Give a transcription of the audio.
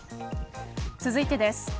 続いてです。